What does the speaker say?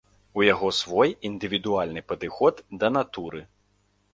У яго свой, індывідуальны падыход да натуры.